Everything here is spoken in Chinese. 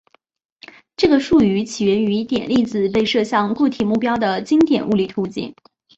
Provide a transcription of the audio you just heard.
这个术语起源于点粒子被射向固体目标的经典物理图景。